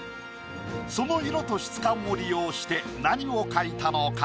その色と質感を利用して何を描いたのか？